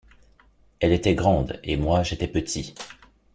Elle était grande, et, moi, j’étais petit.